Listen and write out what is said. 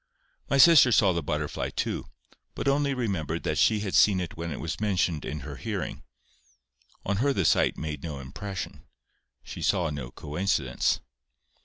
—My sister saw the butterfly too, but only remembered that she had seen it when it was mentioned in her hearing: on her the sight made no impression; she saw no coincidence.